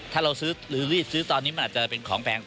ถ้าเราซื้อรีดซื้อตอนนี้มันอาจจะเป็นของแพง